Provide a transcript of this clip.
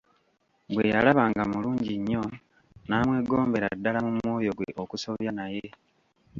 Bwe yalaba nga mulungi nnyo, n'amwegombera ddala mu mwoyo gwe okusobya naye.